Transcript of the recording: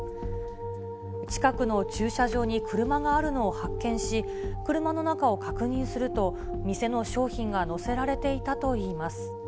近くの駐車場に車があるのを発見し、車の中を確認すると、店の商品が載せられていたといいます。